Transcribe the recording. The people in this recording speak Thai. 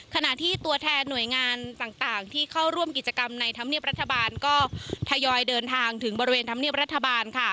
ขณะที่ตัวแทนหน่วยงานต่างที่เข้าร่วมกิจกรรมในธรรมเนียบรัฐบาลก็ทยอยเดินทางถึงบริเวณธรรมเนียบรัฐบาลค่ะ